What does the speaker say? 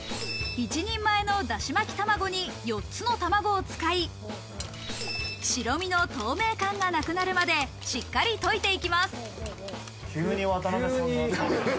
１人前のだしまき玉子に４つの卵を使い、白身の透明感がなくなるまでしっかり溶いていきます。